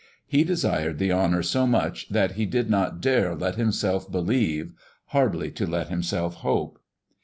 He desired the honor so much that he did not dare let himself believe hardly to let himself hope.